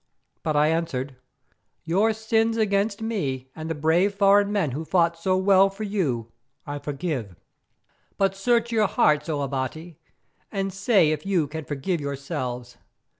But I answered: "Your sins against me and the brave foreign men who fought so well for you I forgive, but search your hearts, O Abati, and say if you can forgive yourselves?